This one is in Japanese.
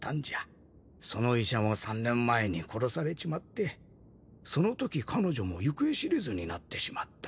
その医者も３年前に殺されちまってそのとき彼女も行方知れずになってしまった。